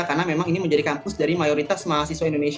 karena memang ini menjadi kampus dari mayoritas mahasiswa indonesia